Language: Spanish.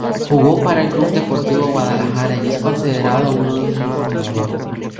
Jugó para el Club Deportivo Guadalajara y es considerado uno de sus fundadores.